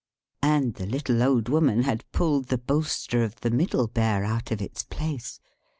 And the little Old Woman had pulled the bolster of the Middle Sized Bear out of its place.